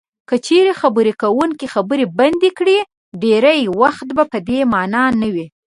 که چېرې خبرې کوونکی خبرې بندې کړي ډېری وخت په دې مانا نه وي.